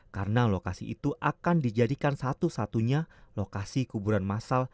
karena lokasi itu akan dijadikan satu satunya lokasi kuburan masal